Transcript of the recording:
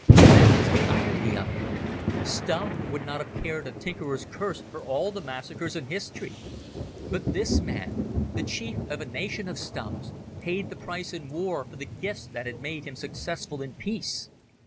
That was the irony of it. Stumm would not have cared a tinker's curse for all the massacres in history. But this man, the chief of a nation of Stumms, paid the price in war for the gifts that had made him successful in peace.